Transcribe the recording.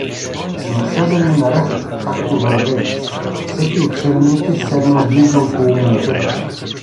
Насядали наред, както вървели, всеки от селяните седнал близо около момчетата.